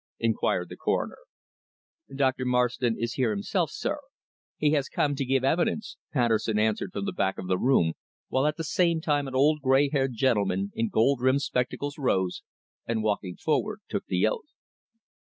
inquired the Coroner. "Dr. Marston is here himself, sir. He has come to give evidence," Patterson answered from the back of the room, while at the same time an old grey haired gentleman in gold rimmed spectacles rose, and walking forward took the oath.